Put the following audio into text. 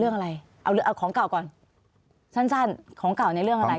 เรื่องอะไรเอาของเก่าก่อนสั้นสั้นของเก่าในเรื่องอะไร